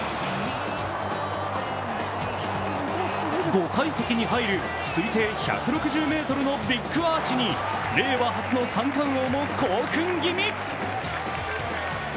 ５階席に入る推定１６０ｍのビッグアーチに令和初の三冠王も興奮気味。